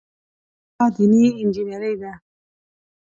دا دیني انجینیري ده.